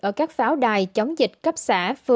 ở các pháo đài chống dịch cấp xã